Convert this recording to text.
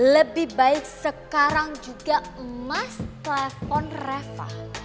lebih baik sekarang juga mas telepon reva